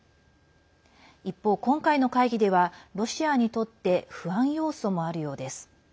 一方、今回の会議ではロシアにとって不安要素もあるようです。